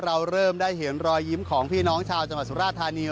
เราเริ่มได้เห็นรอยยิ้มของพี่น้องชาวจังหวัดสุราธานี